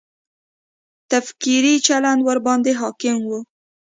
تکفیري چلند ورباندې حاکم و.